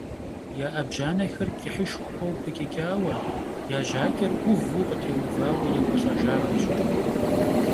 Я Ӏэбжьанэхэр кӀыхьышхуэу пыкӀыкӀауэ, я жьакӀэр Ӏуву къытеувауэ къекӀуэлӀэжахэщ.